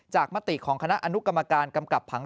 มติของคณะอนุกรรมการกำกับผัง